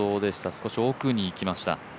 少し奥に行きました。